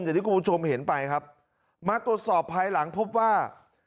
อย่างที่คุณผู้ชมเห็นไปครับมาตรวจสอบภายหลังพบว่า